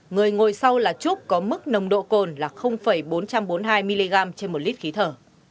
người ngồi sau là trúc có mức nồng độ cồn là bốn trăm bốn mươi hai mg trên một lít khí thở